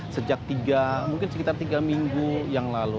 sejak tiga mungkin sekitar tiga minggu yang lalu